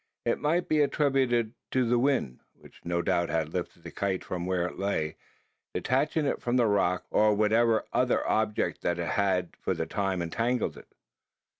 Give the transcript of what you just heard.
It might be attributed to the wind: which no doubt had lifted the kite from where it lay, detaching it from the rock, or whatever other object that had for the time entangled it.